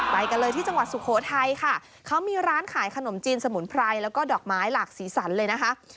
ไปกันเลยที่จังหวัดสุโขทัยค่ะเขามีร้านขายขนมจีนสมุนไพรแล้วก็ดอกไม้หลากสีสันเลยนะคะ